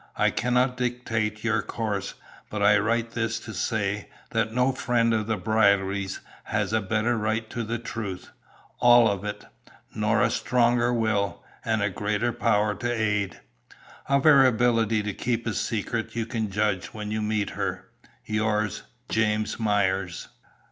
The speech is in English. I cannot dictate your course, but I write this to say that no friend of Brierly's has a better right to the truth all of it nor a stronger will and greater power to aid. Of her ability to keep a secret you can judge when you meet her. "Yours, "JAMES MYERS."